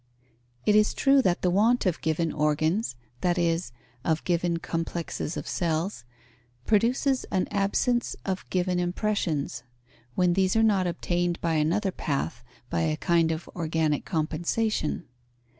It is true that the want of given organs, that is, of given complexes of cells, produces an absence of given impressions (when these are not obtained by another path by a kind of organic compensation).